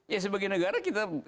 ya sebagian negara kita